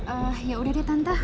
eee yaudah deh tante